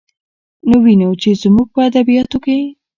نو وينو، چې زموږ په ادبياتو کې